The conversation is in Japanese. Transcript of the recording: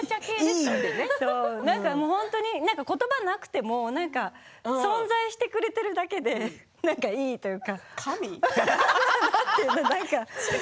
言葉がなくても存在してくれているだけでなんか、いいというか。